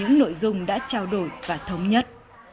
giáo đổi và thống nhất